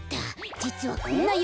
じつはこんなよ